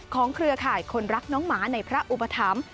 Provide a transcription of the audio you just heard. เครือข่ายคนรักน้องหมาในพระอุปถัมภ์